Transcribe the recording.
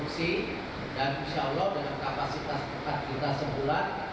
dan insya allah dengan kapasitas dekat kita sebulan